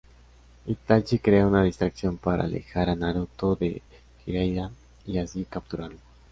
Itachi crea una distracción para alejar a Naruto de Jiraiya y así capturarlo.